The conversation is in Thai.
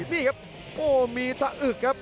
นี่ครับโอ้มีสะอึกครับ